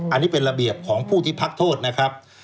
อันนี้เป็นระเบียบของผู้ที่พักโทษนะครับ